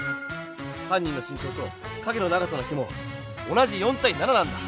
犯人の身長と影の長さの比も同じ４対７なんだ！